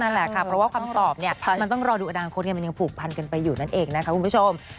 นั่นแหละค่ะเพราะว่าคำตอบเนี่ยมันต้องรอดูอนาคตไงมันยังผูกพันกันไปอยู่นั่นเองนะคะคุณผู้ชม